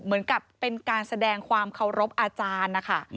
เหมือนกับเป็นการแสดงความเคารพอาจารย์นะคะ